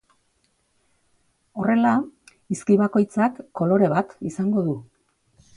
Horrela hizki bakoitzak kolore bat izango du.